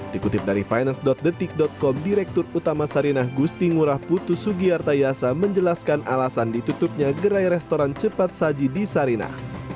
dikutip dari finance detik com direktur utama sarinah gusti ngurah putu sugiarta yasa menjelaskan alasan ditutupnya gerai restoran cepat saji di sarinah